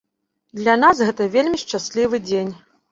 Для нас гэта вельмі шчаслівы дзень.